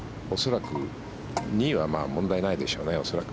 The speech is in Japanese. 恐らく、仁井は問題ないでしょうね。